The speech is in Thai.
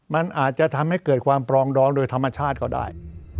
มันอาจจะทำให้เกิดความปรองดองโดยธรรมชาติก็ได้